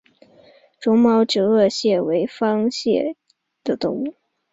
绒毛折颚蟹为方蟹科折颚蟹属的动物。